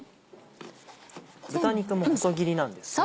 豚肉も細切りなんですね。